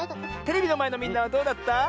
テレビのまえのみんなはどうだった？